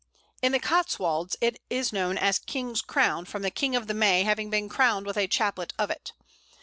In the Cotswolds it is known as King's Crown, from the "King of the May" having been crowned with a chaplet of it.